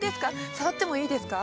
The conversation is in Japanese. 触ってもいいですか？